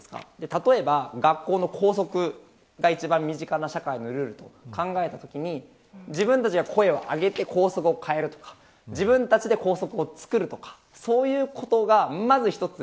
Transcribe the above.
例えば学校の校則が一番身近な社会のルールと考えたとき自分たちが声を上げて校則を変えるとか自分たちで校則をつくるとかそういったことがまず一つ